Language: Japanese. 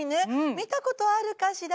見たことあるかしら？